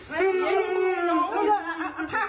เอาผ้ามา